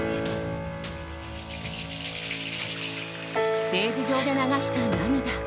ステージ上で流した涙。